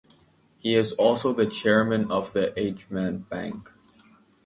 He is also the chairman of the Ajman Bank.